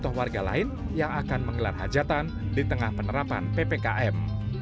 atau warga lain yang akan menggelar hajatan di tengah penerapan ppkm